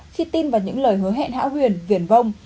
khi tin vào những lời hứa hẹn hảo huyền viển vông